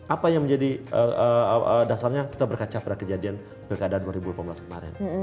apa yang menjadi dasarnya kita berkaca pada kejadian pilkada dua ribu delapan belas kemarin